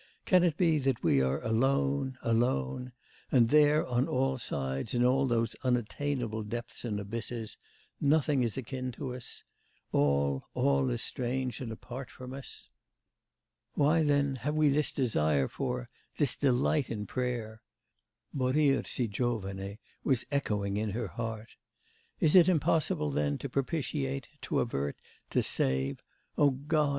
Can it be that we are alone... alone... and there, on all sides, in all those unattainable depths and abysses nothing is akin to us; all, all is strange and apart from us? Why, then, have we this desire for, this delight in prayer?' (Morir si giovane was echoing in her heart.)... 'Is it impossible, then, to propitiate, to avert, to save... O God!